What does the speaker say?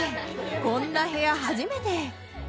こんな部屋初めて！